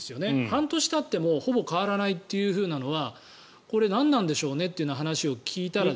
半年たってもほぼ変わらないというのはこれ、何なんでしょうねという話を聞いたら。